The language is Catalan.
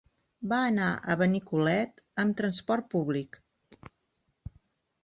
Va anar a Benicolet amb transport públic.